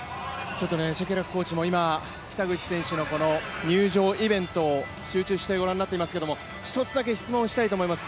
シェケラックコーチも今、北口選手の入場イベントを集中してご覧になっていますけど一つだけ質問したいと思います。